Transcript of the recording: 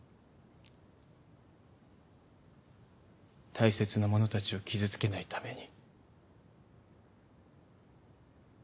大切な者たちを傷つけないために。